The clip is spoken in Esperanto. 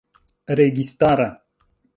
registara